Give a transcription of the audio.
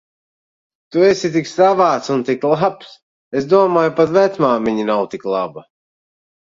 Tu esi tik savāds un tik labs. Es domāju, pat vecmāmiņa nav tik laba.